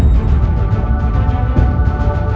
mereka semua berpikir seperti itu